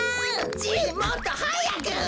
じいもっとはやく！